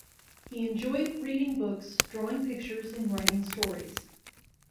He enjoyed reading books, drawing pictures, and writing stories.